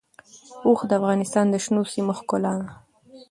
اوښ د افغانستان د شنو سیمو ښکلا ده.